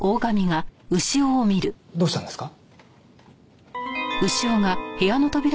どうしたんですか？